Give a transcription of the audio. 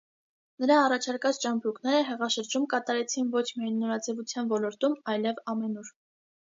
Նրա առաջարկած ճամպրուկները հեղաշրջում կատարեցին ոչ միայն նորաձևության ոլորտում, այլև ամենուր։